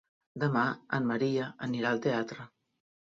Demà en Maria anirà al teatre.